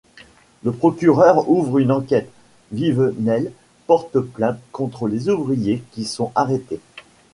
Le procureur ouvre une enquête, Vivenel porte plainte contre les ouvriers qui sont arrêtés.